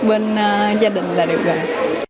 bên gia đình là điều gần